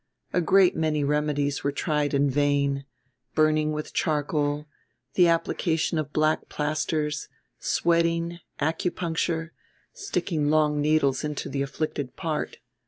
A great many remedies were tried in vain burning with charcoal, the application of black plasters, sweating, acupuncture sticking long needles into the afflicted part.